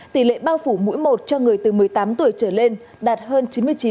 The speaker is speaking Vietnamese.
tỷ lệ bao phủ mỗi một cho người từ một mươi tám tuổi trở lên đạt hơn chín mươi chín